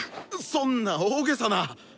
そんな大げさな。